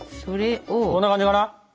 こんな感じかな？